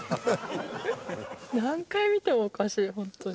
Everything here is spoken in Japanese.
何回見てもおかしい本当に。